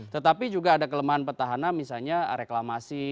tetapi juga ada kelemahan petahana misalnya reklamasi